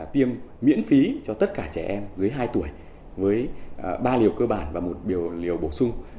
tiêm miễn phí cho tất cả trẻ em dưới hai tuổi với ba liều cơ bản và một liều bổ sung